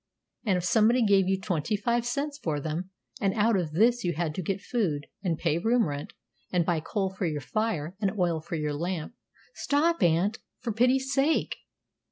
"And if somebody gave you twenty five cents for them, and out of this you had to get food, and pay room rent, and buy coal for your fire, and oil for your lamp " "Stop, aunt, for pity's sake!"